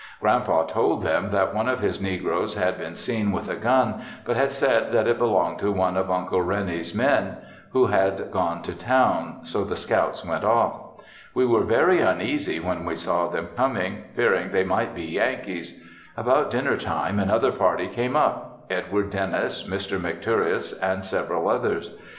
Grand Pa told them that one of his negroes had been seen with a gun but had said that it belonged to one of Uncle Rene's men who had gone to town, so the scouts went off. We were very uneasy when we saw them coming, fearing that they might be Yankees. About dinner time another party came up, Edward Dennis, Mr. McTureous and several others.